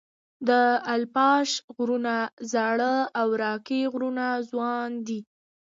د اپلاش غرونه زاړه او راکي غرونه ځوان دي.